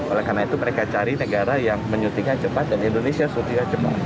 oleh karena itu mereka cari negara yang menyutingnya cepat dan indonesia syutingnya cepat